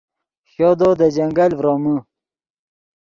شودو دے جنگل ڤرومے